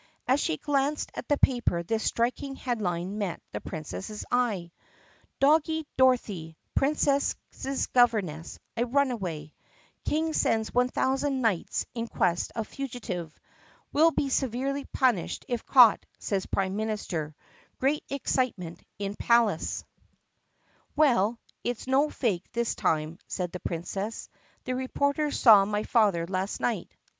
As she glanced at the paper this striking head line met the Princess's eye: DOGGIE DOROTHY, PRIN CESS'S GOVERNESS, A RUNAWAY King Sends 1,000 Knights in Quest of Fugitive Will be Severely Punished if Caught, Says Prime Minister Great Excitement In Palace 82 THE PUSSYCAT PRINCESS "Well, it 's no fake this time," said the Princess. "The reporters saw my father last night.